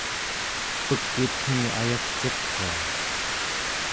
pekyutmi ayagciqua